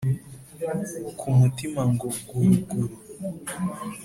Ku mutima ngo « guruguru »!